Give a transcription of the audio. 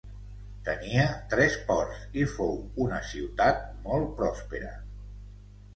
Tenia tres ports i fou una ciutat molt prospera.